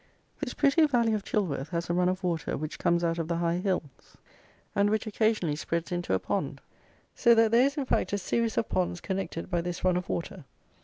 This pretty valley of Chilworth has a run of water which comes out of the high hills, and which, occasionally, spreads into a pond; so that there is in fact a series of ponds connected by this run of water.